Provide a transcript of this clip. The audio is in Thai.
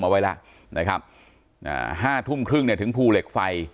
เอาไว้ละนะครับ๕ทุ่มครึ่งถึงภูเหล็กไฟ